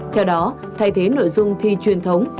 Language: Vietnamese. theo đó thay thế nội dung thi truyền thống